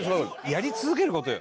やり続ける事よ。